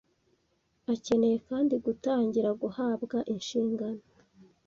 Akeneye kandi gutangira guhabwa inshingano